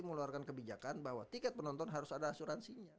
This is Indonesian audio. mengeluarkan kebijakan bahwa tiket penonton harus ada asuransinya